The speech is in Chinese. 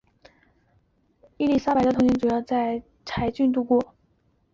伊丽莎白的童年主要在柴郡度过。